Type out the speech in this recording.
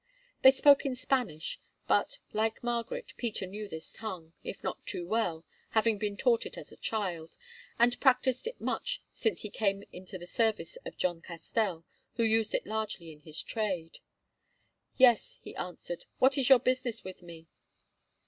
They spoke in Spanish; but, like Margaret Peter knew this tongue, if not too well, having been taught it as a child, and practised it much since he came into the service of John Castell, who used it largely in his trade. "Yes," he answered. "What is your business with me?"